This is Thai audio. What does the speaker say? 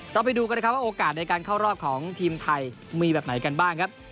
เราไปดูกันนะครับว่าโอกาสในการเข้ารอบของทีมไทยมีแบบไหนกันบ้างครับ